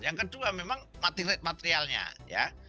yang kedua memang materialnya ya